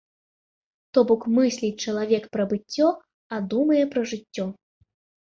То бок мысліць чалавек пра быццё, а думае пра жыццё.